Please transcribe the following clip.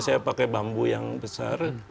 saya pakai bambu yang besar